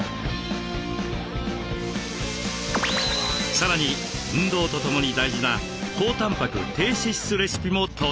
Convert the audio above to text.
さらに運動とともに大事な高たんぱく低脂質レシピも登場します。